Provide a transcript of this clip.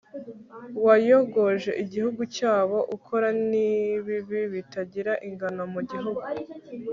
wayogoje igihugu cyabo, ukora n'ibibi bitagira ingano mu gihugu